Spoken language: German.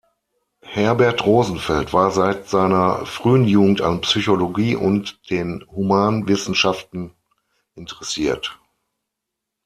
Herbert Rosenfeld war seit seiner frühen Jugend an Psychologie und den Humanwissenschaften interessiert.